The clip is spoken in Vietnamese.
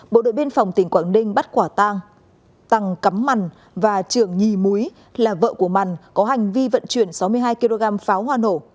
bộ đội biên phòng tỉnh quảng ninh bắt quả tăng tăng cắm mằn và trường nhì múi là vợ của mằn có hành vi vận chuyển sáu mươi hai kg pháo hoa nổ